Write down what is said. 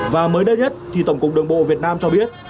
và mới đây nhất thì tổng cục đường bộ việt nam cho biết